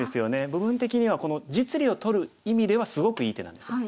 部分的にはこの実利を取る意味ではすごくいい手なんですよ。